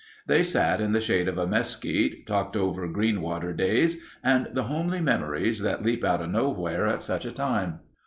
They sat in the shade of a mesquite, talked over Greenwater days and the homely memories that leap out of nowhere at such a time.